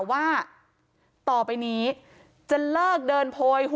ความปลอดภัยของนายอภิรักษ์และครอบครัวด้วยซ้ำ